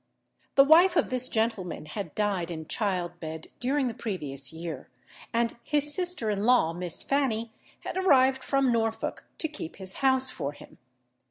The wife of this gentleman had died in child bed during the previous year, and his sister in law, Miss Fanny, had arrived from Norfolk to keep his house for him.